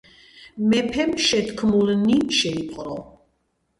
მეფემ შეთქმულნი შეიპყრო.